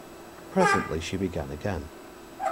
Presently she began again.